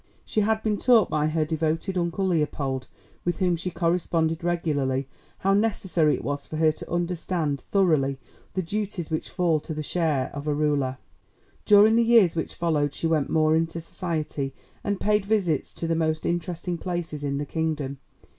She had been taught by her devoted uncle Leopold, with whom she corresponded regularly, how necessary it was for her to understand thoroughly the duties which fall to the share of a ruler. During the years which followed she went more into society and paid visits to the most interesting places in the kingdom.